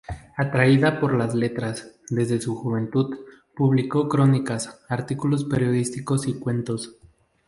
Atraída por las letras, desde su juventud, publicó crónicas, artículos periodísticos y cuentos.